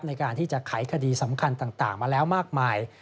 ในการที่จะไขคดีสำคัญต่างมาแล้วมากมาย